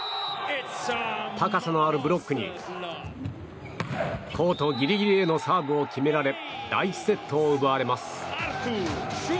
高さのあるブロックにコートギリギリへのサーブを決められ第１セットを奪われます。